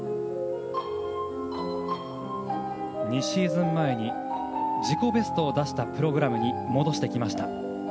２シーズン前に自己ベストを出したプログラムに戻してきました。